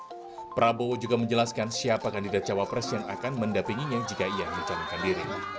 ketua umum partai gerindrah prabowo subianto juga menjelaskan siapa kandidat cawapres yang akan mendapinginya jika ia mencalonkan diri